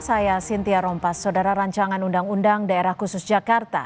saya cynthia rompas saudara rancangan undang undang daerah khusus jakarta